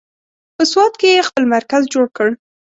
په سوات کې یې خپل مرکز جوړ کړ.